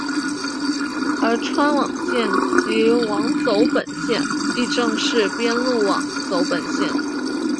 而钏网线及网走本线亦正式编入网走本线。